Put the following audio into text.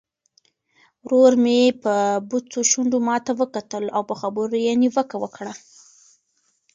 ورور مې په بوڅو شونډو ماته وکتل او په خبرو یې نیوکه وکړه.